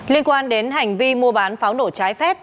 liên quan đến hành vi mua bán pháo nổ trái phép